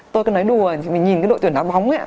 tôi cứ nói đùa thì mình nhìn cái đội tuyển đá bóng ấy